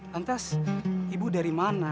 lantas ibu dari mana